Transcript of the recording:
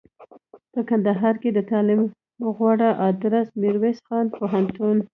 په کندهار کښي دتعلم غوره ادرس میرویس نیکه پوهنتون